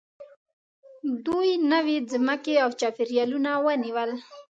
دوی نوې ځمکې او چاپېریالونه ونیول.